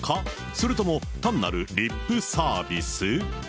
それとも単なるリップサービス？